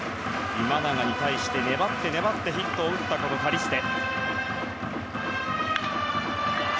今永に対して粘ってヒットを打ったカリステ。